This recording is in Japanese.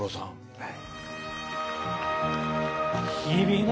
はい。